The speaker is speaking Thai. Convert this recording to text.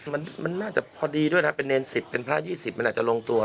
มันมันน่าจะพอดีด้วยนะเป็นเนร๑๐เป็นพระ๒๐มันอาจจะลงตัว